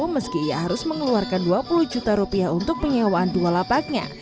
meski ia harus mengeluarkan dua puluh juta rupiah untuk penyewaan dua lapaknya